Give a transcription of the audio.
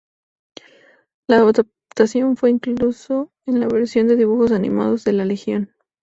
La adaptación fue incluso en la versión de dibujos animados de la Legión.